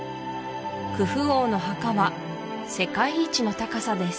クフ王の墓は世界一の高さです